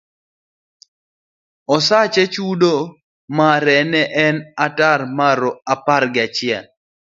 Osache chudo mare ne en tara apar ga chiel.